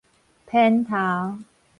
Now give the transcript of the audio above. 偏頭